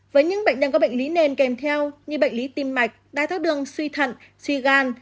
với những bệnh nhân có bệnh lý nền kèm theo như bệnh lý tim mạch đai tháo đường suy thận suy gan